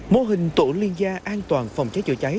mô hình tổ liên gia an toàn phòng trái chữa trái